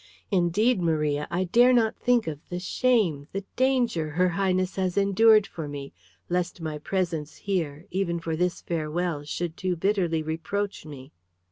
Indeed, Maria, I dare not think of the shame, the danger, her Highness has endured for me, lest my presence here, even for this farewell, should too bitterly reproach me."